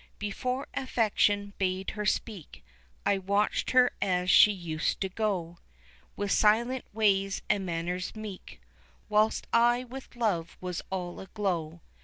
Before affection bade her speak, I watched her as she used to go With silent ways and manners meek, Whilst I with love was all aglow.